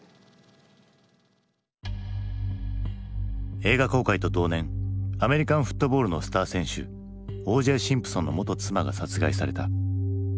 映画公開と同年アメリカンフットボールのスター選手Ｏ・Ｊ・シンプソンの元妻が殺害された。